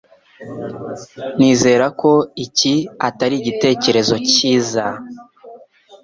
Nizera ko iki atari igitekerezo cyiza.